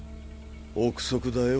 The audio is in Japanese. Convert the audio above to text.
憶測だよ。